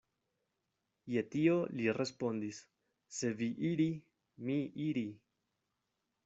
Je tio li respondis, Se vi iri, mi iri.